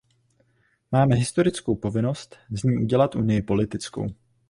Máme historickou povinnost z ní udělat unii politickou.